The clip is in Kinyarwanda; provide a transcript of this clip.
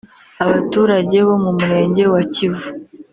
Abaturage bo mu Murenge wa Kivu